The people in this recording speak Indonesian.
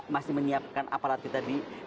masih menyiapkan aparat kita di